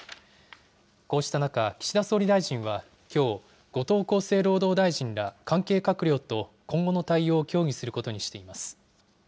こうした中、岸田総理大臣はきょう、後藤厚生労働大臣ら関係閣僚と今後の対応を協議することにしています。